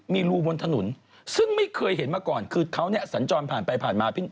มีรูบนถนนซึ่งไม่เคยเห็นมาก่อนคือเขาเนี่ยสัญจรผ่านไปผ่านมา